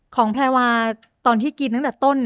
แพรวาตอนที่กินตั้งแต่ต้น